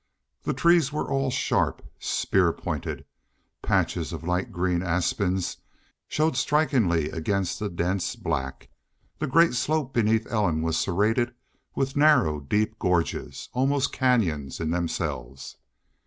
The trees were all sharp, spear pointed. Patches of light green aspens showed strikingly against the dense black. The great slope beneath Ellen was serrated with narrow, deep gorges, almost canyons in themselves.